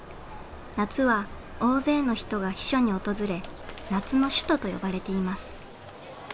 夏は大勢の人が避暑に訪れ「夏の首都」と呼ばれています。